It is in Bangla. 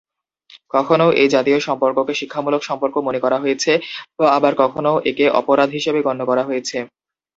কখনও এই জাতীয় সম্পর্ককে শিক্ষামূলক সম্পর্ক মনে করা হয়েছে; আবার কখনও একে অপরাধ হিসেবে গণ্য করা হয়েছে।